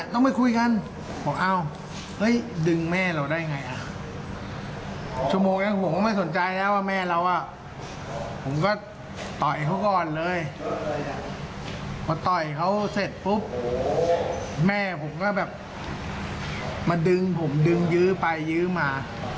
แต่ชายคนนั้นก็แบบมาดึงผมดึงยื้อไปยื้อมา